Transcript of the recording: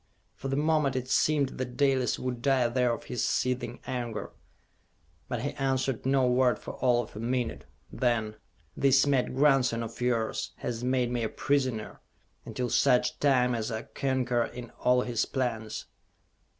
For the moment it seemed that Dalis would die there of his seething anger; but he answered no word for all of a minute. Then: "This mad grandson of yours has made me a prisoner, until such time as I concur in all his plans!"